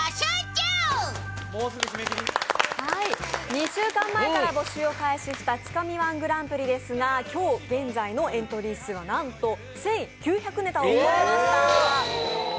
２週間前から募集を開始した「つかみ−１グランプリ」ですが、今日、現在のエントリー数はなんと１９００ネタを突破しました。